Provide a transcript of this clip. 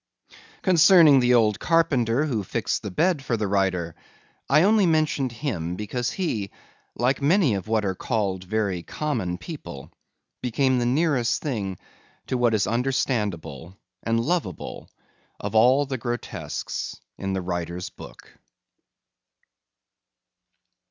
Concerning the old carpenter who fixed the bed for the writer, I only mentioned him because he, like many of what are called very common people, became the nearest thing to what is understandable and lovable of all the grotesques in the writer's book.